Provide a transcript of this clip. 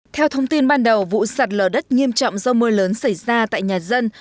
theo thông tin ban đầu vụ sạt lở đất nghiêm trọng do mưa lớn xảy ra tại nhà dân